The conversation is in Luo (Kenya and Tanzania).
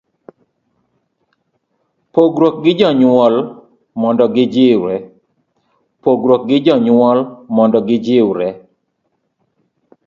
C. Pogruok gi jonyuol mondo gijiwre